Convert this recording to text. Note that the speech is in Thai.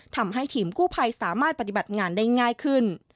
ทำให้ทีมกู้ภัยสามารถปฏิบัติงานได้ง่ายขึ้น